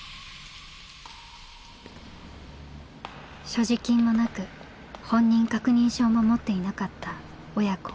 所持金もなく本人確認証も持っていなかった親子。